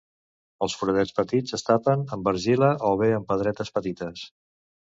Els foradets petits es tapen amb argila o bé amb pedretes petites.